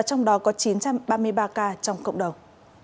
trong đó có chín trăm ba mươi ba ca trong cộng đồng